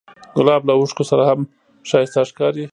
ګلاب له اوښکو سره هم ښایسته ښکاري.